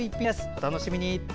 お楽しみに。